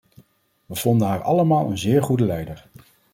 We vonden haar allemaal een zeer goede leider.